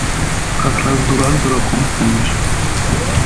Как раз дурак дураком станешь.